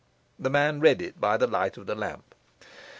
The man read it by the light of the lamp.